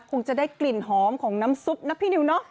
คงจะได้กลิ่นหอมของน้ำซุปนะพี่นิวเนอะ